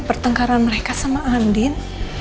pertengkaran mereka sama andin